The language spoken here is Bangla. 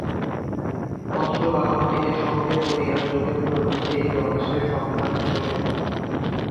পত্রবাহকটিকে সঙ্গে করিয়া যোগেন্দ্র নিজেই রমেশের সন্ধানে চলিল।